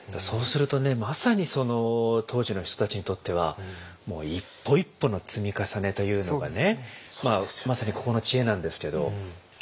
そうするとねまさに当時の人たちにとってはもう一歩一歩の積み重ねというのがねまさにここの知恵なんですけど。